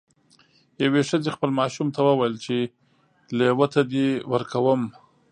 یوې ښځې خپل ماشوم ته وویل چې لیوه ته دې ورکوم.